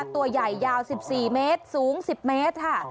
ตัวใหญ่ยาว๑๔เมตรสูง๑๐เมตรค่ะ